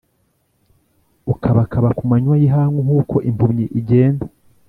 ukabakaba ku manywa y’ihangu nk’uko impumyi igenda